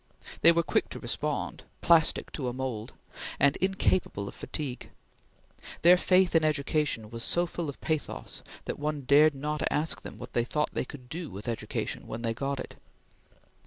They were quick to respond; plastic to a mould; and incapable of fatigue. Their faith in education was so full of pathos that one dared not ask them what they thought they could do with education when they got it.